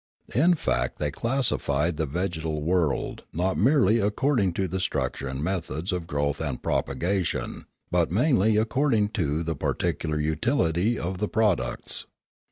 In fact they classified the vegetal world not merely according to the structure and methods of growth and propagation, but mainly according to the particular utility of the pro ducts.